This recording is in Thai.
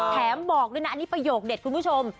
บอกด้วยนะอันนี้ประโยคเด็ดคุณผู้ชม